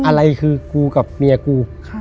อะไรคือกูกับเมียกู